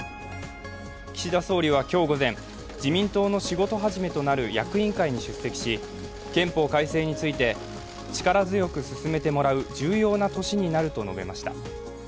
岸田総理は今日午前、自民党の仕事始めとなる役員会に出席し憲法改正について力強く進めてもらう重要な年になると述べました。